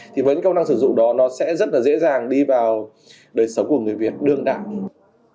thì với công năng sử dụng đó nó sẽ rất là dễ dàng đi vào đời sống của người việt đương đại